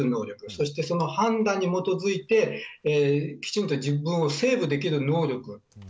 そしてその判断に基づいて自分をセーブできる能力。